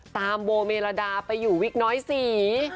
ตามโบเมรดาไปอยู่วิกน้อยสี่